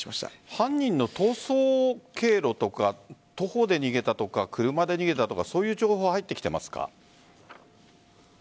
犯人の逃走経路とか徒歩で逃げたとか車で逃げたとかいう情報は入ってきていますか？